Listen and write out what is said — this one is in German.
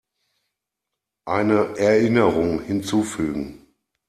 Eine Erinnerung hinzufügen.